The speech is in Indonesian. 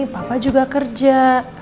papa juga kerja